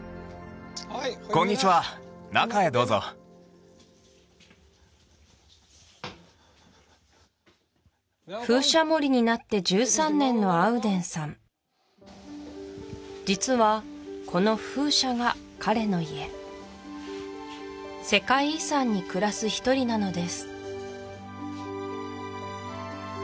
こんにちは中へどうぞ風車守りになって１３年のアウデンさん実はこの風車が彼の家世界遺産に暮らす１人なのです